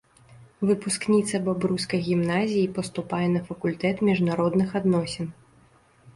Выпускніца бабруйскай гімназіі паступае на факультэт міжнародных адносін.